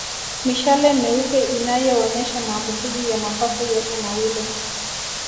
Mishale meupe inayoonyesha maambukizi ya mapafu yote mawili